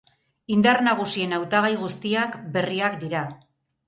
Indar nagusien hautagai guztiak berriak dira.